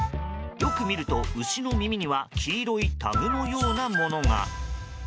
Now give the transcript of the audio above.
よく見ると牛の耳には黄色いタグのようなものが。